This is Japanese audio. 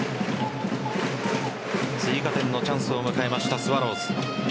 追加点のチャンスを迎えましたスワローズ。